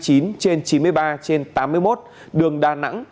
công an quận hải an sinh năm một nghìn chín trăm tám mươi ba trên tám mươi một đường đà nẵng